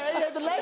何？